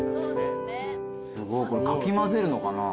これかき混ぜるのかな？